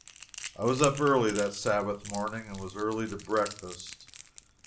I was up early that Sabbath morning and was early to breakfast.